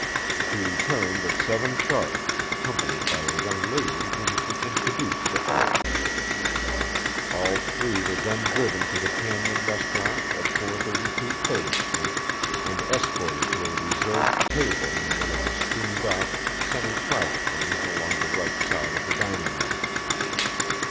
She returned at 7 sharp, accompanied by a young lady whom she introduced to O. All three were then driven to the Canyon restaurant at 432 Third Street and escorted to a reserved table in one of the screened off semi private rooms along the right side of the dining room.